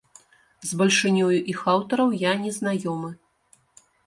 З бальшынёю іх аўтараў я не знаёмы.